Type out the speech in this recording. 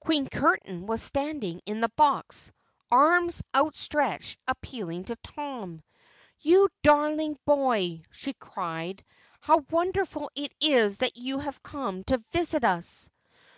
Queen Curtain was standing in the box, arms out stretched appealingly to Tom. "You darling boy!" she cried, "How wonderful it is that you have come to visit us!"